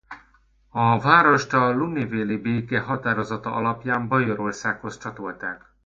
A várost a lunéville-i béke határozata alapján Bajorországhoz csatolták.